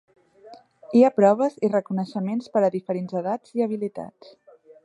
Hi ha proves i reconeixements per a diferents edats i habilitats.